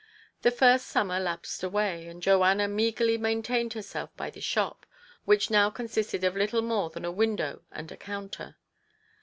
The first summer lapsed away ; and Joanna meagrely maintained herself by the shop, which now consisted of little more than a window and a counter.